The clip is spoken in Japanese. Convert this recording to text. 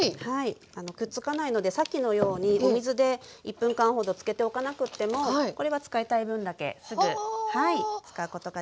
くっつかないのでさっきのようにお水で１分間ほどつけておかなくってもこれは使いたい分だけすぐ使うことができます。